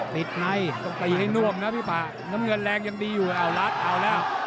ติดในต้องตีให้น่วมนะพี่ป่าน้ำเงินแรงยังดีอยู่เอารัดเอาแล้ว